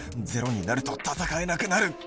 ゼロになると戦えなくなる。